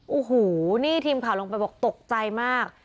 โอ้โหนี่ทีมข่าวลงไปบอกตกใจมาก